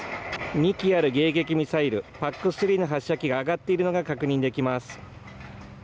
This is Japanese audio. ２機ある迎撃ミサイルＰＡＣ３の発射機が上がっているのが確認できます。